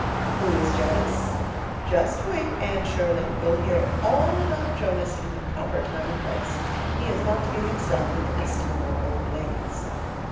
"Who is Jonas? Just wait, Anne Shirley. You'll hear all about Jonas in the proper time and place. He is not to be mixed up with estimable old ladies.